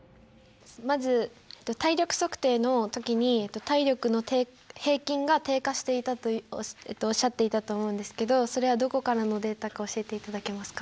まず体力測定の時に体力の平均が低下していたとおっしゃっていたと思うんですけどそれはどこからのデータか教えていただけますか？